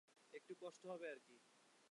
একটু কষ্ট হবে আর কি!